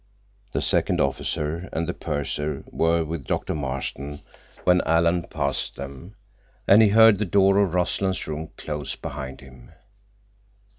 The second officer and the purser were with Doctor Marston when Alan passed them, and he heard the door of Rossland's room close behind him.